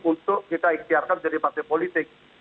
untuk kita ikhtiarkan jadi partai politik